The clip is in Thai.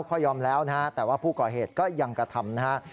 เขายอมแล้วแต่ว่าผู้ก่อเหตุก็ยังกระทำนะครับ